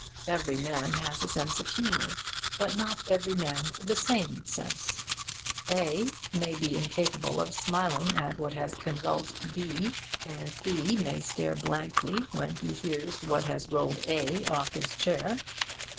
Every man has a sense of humour, but not every man the same sense. A may be incapable of smiling at what has convulsed B, and B may stare blankly when he hears what has rolled A off his chair.